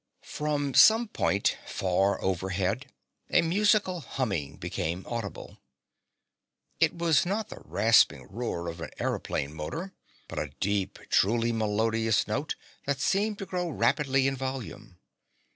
From some point far overhead a musical humming became audible. It was not the rasping roar of an aëroplane motor, but a deep, truly melodious note that seemed to grow rapidly in volume.